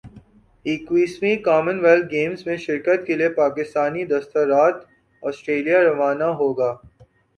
اکیسویں commonwealth games میں شرکت کے لئے پاکستانی دستہ رات سٹریلیا روانہ ہو گا